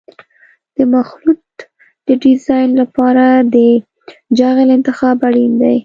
د مخلوط د ډیزاین لپاره د جغل انتخاب اړین دی